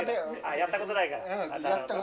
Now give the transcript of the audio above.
やったことないから。